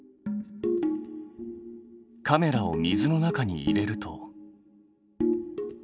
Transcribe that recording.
カメラを水の中に入れると。